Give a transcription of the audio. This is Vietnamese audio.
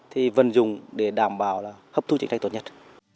thì vẫn dùng để đảm bảo hấp thu chính sách tốt nhất